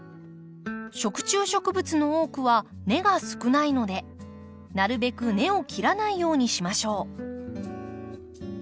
食虫植物の多くは根が少ないのでなるべく根を切らないようにしましょう。